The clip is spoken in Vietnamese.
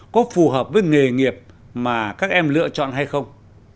có phù hợp với nghề nghiệp mà các em lựa chọn hay không